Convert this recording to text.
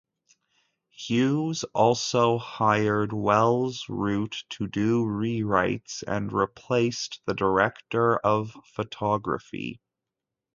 Hughes also hired Wells Root to do re-writes, and replaced the director of photography.